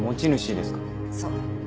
そう。